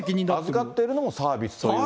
預かってるのもサービスだから。